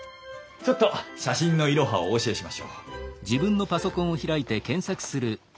ちょっと写真のイロハをお教えしましょう。